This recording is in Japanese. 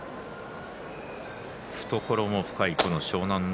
懐も深い湘南乃